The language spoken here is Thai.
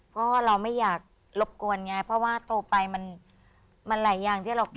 เพราะว่าเราไม่อยากรบกวนไงเพราะว่าโตไปมันหลายอย่างที่เราคิด